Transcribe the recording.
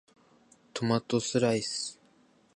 トマトスライス